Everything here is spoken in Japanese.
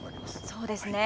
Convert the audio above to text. そうですね。